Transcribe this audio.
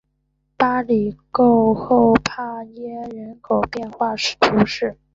巴里讷后帕涅人口变化图示